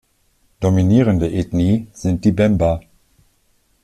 Dominierende Ethnie sind die Bemba.